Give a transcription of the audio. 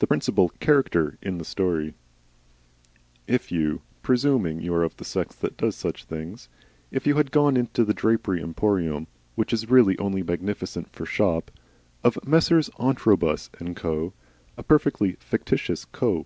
THE PRINCIPAL CHARACTER IN THE STORY If you (presuming you are of the sex that does such things) if you had gone into the Drapery Emporium which is really only magnificent for shop of Messrs. Antrobus & Co. a perfectly fictitious "Co.